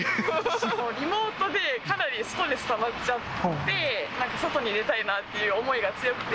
リモートで、かなりストレスたまっちゃって、なんか外に出たいなって思いが強くて。